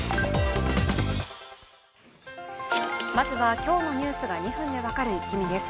まずは今日のニュースが２分で分かるイッキ見です。